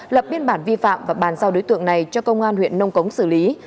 lập biên bản vi phạm và bàn giao đối tượng này cho công an huyện nông cống xử lý